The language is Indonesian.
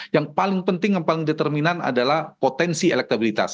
yang paling penting yang paling determinan adalah potensi elektabilitas